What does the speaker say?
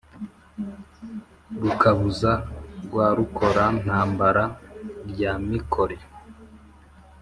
Rukabuza rwa Rukora-ntambara rwa Mikore,